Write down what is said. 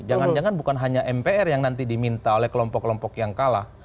jangan jangan bukan hanya mpr yang nanti diminta oleh kelompok kelompok yang kalah